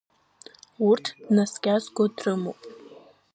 Урҭ наскьазго дрымоуп.